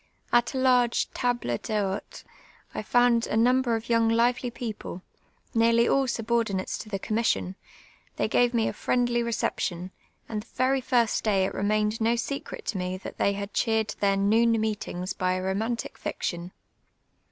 At a larj^e table dlu'ite 1 found a number of younj; lively people, nearly all sul>ordinatc§ to the commission ; they fj^ave me a friendly reee])tion, and the very tirst day it remained no secret to me that tlu y had cheered their noon meetiuf^s by a romantic fiction.